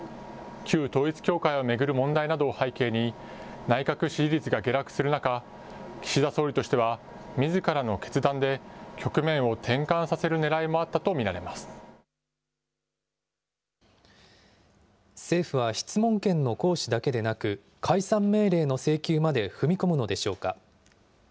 旧統一教会を巡る問題などを背景に、内閣支持率が下落する中、岸田総理としてはみずからの決断で局面を転換させるねらいもあっ政府は質問権の行使だけでなく、解散命令の請求まで踏み込むのでしょうか。